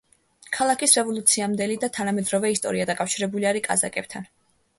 ქალაქის რევოლუციამდელი და თანამედროვე ისტორია დაკავშირებულია კაზაკებთან.